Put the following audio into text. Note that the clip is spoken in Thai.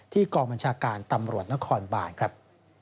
ที่กรมจาการตำรวจและคอนบาลครับ